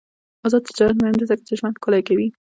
آزاد تجارت مهم دی ځکه چې ژوند ښکلی کوي.